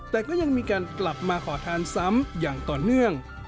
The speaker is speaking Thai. แต่ก็ยังมีการกลับมาขอทานซ้ำอย่างต่อเนื่อง